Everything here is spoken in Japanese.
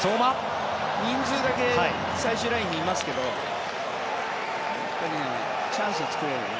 人数だけ最終ラインにいますけどチャンスを作れば。